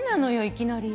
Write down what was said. いきなり。